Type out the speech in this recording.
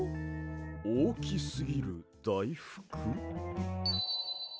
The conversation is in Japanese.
おおきすぎるだいふく？